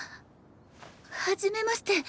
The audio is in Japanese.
はじめまして。